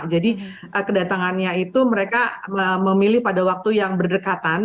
jadi kedatangannya itu mereka memilih pada waktu yang berdekatan